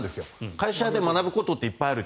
会社で学ぶことっていっぱいある。